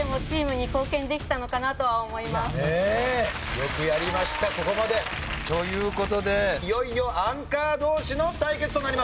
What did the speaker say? よくやりましたここまで。という事でいよいよアンカー同士の対決となります。